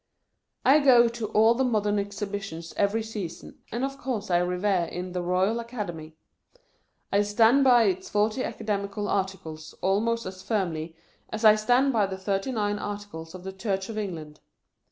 I go to all the Modern Exhibitions every season, and of course I revere the Royal Academy. I stand by its forty Academical articles almost as firmly as I stand by the thirty nine Articles of the Church of England.